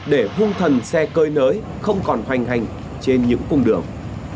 để hung thần xe cơi nới không còn hoành hành trên những cung đường